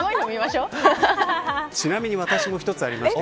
ちなみに私も１つあります。